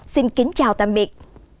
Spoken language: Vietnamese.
xin kính chào tạm biệt